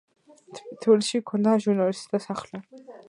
თბილისში ჰქონდა ჟურნალისტთა სახლი.